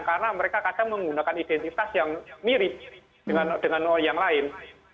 karena mereka kadang menggunakan identitas yang mirip dengan yang lain